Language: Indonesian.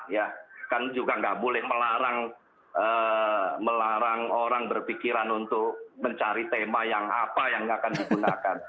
ya kan juga nggak boleh melarang melarang orang berpikiran untuk mencari tema yang apa yang akan digunakan